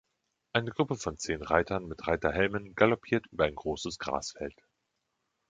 Eine Gruppe von zehn Reitern mit Reiterhelmen galoppiert über ein großes Grasfeld.